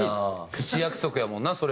口約束やもんなそりゃ。